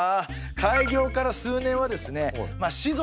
開業から数年はですね士族